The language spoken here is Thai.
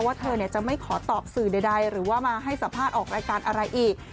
เธอจะไม่ขอตอบสื่อใดหรือว่ามาให้สัมภาษณ์ออกรายการอะไรอีก